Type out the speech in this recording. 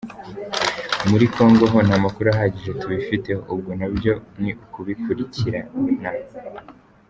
Muri Congo ho nta makuru ahagije tubifiteho, ubwo nabyo ni ukubikurikirana.